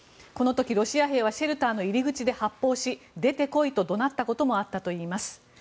この時ロシア兵はシェルターの入り口で発砲し出てこいと怒鳴ったこともあったといいます。